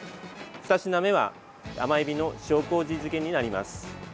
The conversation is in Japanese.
２品目は甘えびの塩漬けになります。